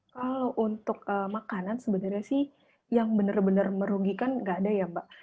kalau untuk makanan sebenarnya sih yang benar benar merugikan nggak ada ya mbak